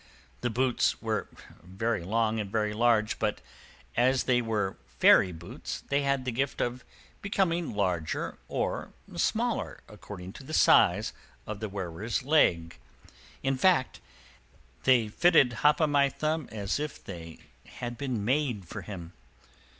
The boots were very long and very large; but, as they were fairy boots, they had the gift of becoming larger or smaller, according to the size of the wearer's leg. In fact, they fitted Hop o' My Thumb as if they had been made for him.